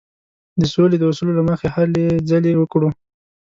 د سولې د اصولو له مخې هلې ځلې وکړو.